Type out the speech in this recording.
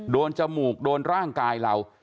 จมูกโดนร่างกายเรา